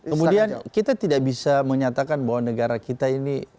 kemudian kita tidak bisa menyatakan bahwa negara kita ini